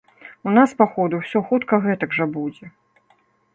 У нас, па ходу, усё хутка гэтак жа будзе.